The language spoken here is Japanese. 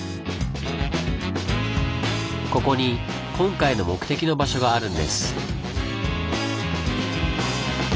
ここに今回の目的の場所があるんです。